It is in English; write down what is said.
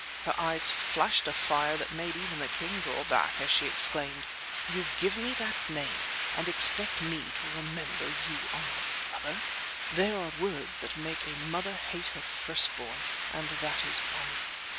Her eyes flashed a fire that made even the king draw back as she exclaimed: "You give me that name and expect me to remember you are my brother? There are words that make a mother hate her first born, and that is one.